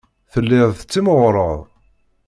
Telliḍ tettimɣureḍ.